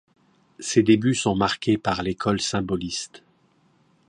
Ses débuts sont marqués par l'école symboliste.